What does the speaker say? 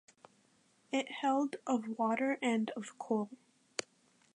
It held of water and of coal.